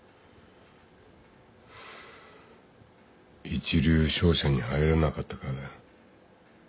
一流商社に入れなかったからだ。